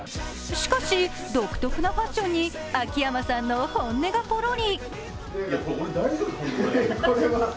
しかし、独特なファッションに秋山さんの本音がぽろり。